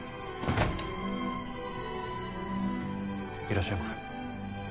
いらっしゃいませ。